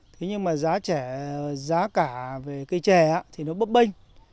thế nhưng mà giá trẻ giá cả về cây trè thì nó bấp bênh